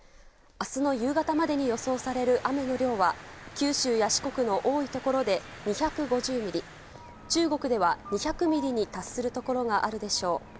明日の夕方までに予想される雨の量は九州や四国の多いところで２５０ミリ中国では２００ミリに達するところがあるでしょう。